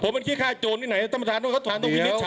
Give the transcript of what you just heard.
ผมเป็นขี้ฆ่าโจรไหนต้องประทานวินิจฉัยครับ